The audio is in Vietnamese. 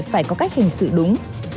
phải có cách hành xử đúng